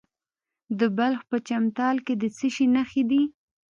د بلخ په چمتال کې د څه شي نښې دي؟